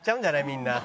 みんな。